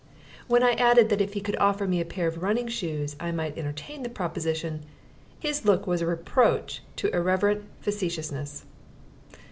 When I added that if he could offer me a pair of running shoes I might entertain the proposition, his look was a reproach to irreverent facetiousness.